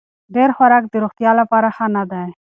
ډېر خوراک د روغتیا لپاره ښه نه دی.